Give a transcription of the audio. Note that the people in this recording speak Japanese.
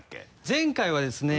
前回はですね。